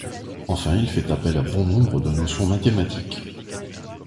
Enfin, il fait appel à bon nombre de notions mathématiques.